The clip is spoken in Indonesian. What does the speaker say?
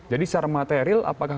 jadi secara material apakah